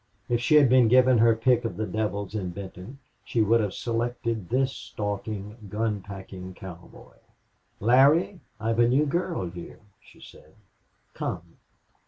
If she had been given her pick of the devils in Benton she would have selected this stalking, gun packing cowboy. "Larry, I've a new girl here," she said. "Come."